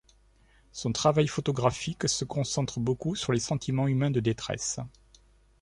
Son travail photographique se concentre beaucoup sur les sentiments humains de détresse.